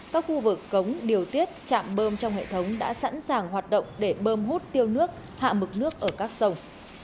các khu vực cống điều tiết chạm bơm trong hệ thống đã sẵn sàng hoạt động để bơm hút tiêu nước hạ mực nước ở các sông